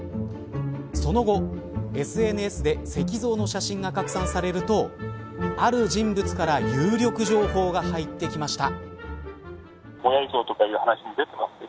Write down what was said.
その後、ＳＮＳで石像の写真が拡散されるとある人物から有力情報が入ってきました。